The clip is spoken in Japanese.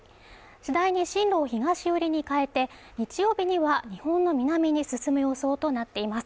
次第に進路を東寄りに変えて、日曜日には日本の南に進む予想となっています。